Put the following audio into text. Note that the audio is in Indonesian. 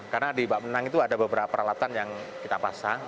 karena di bak penenang itu ada beberapa peralatan yang kita pasang